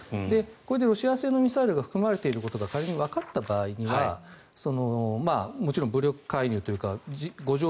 これでロシア製のミサイルが含まれていることが仮にわかった場合にはもちろん武力介入というか５条